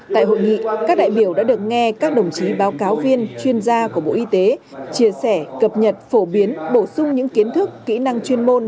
tại hội nghị các đại biểu đã được nghe các đồng chí báo cáo viên chuyên gia của bộ y tế chia sẻ cập nhật phổ biến bổ sung những kiến thức kỹ năng chuyên môn